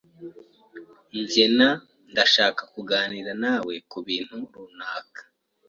Jye na ndashaka kuganira nawe kubintu runaka.